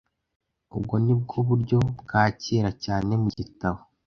Ubwo ni bwo buryo bwa kera cyane mu gitabo.